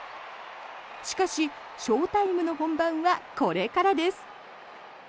しかし、翔タイムの本番はこれからです。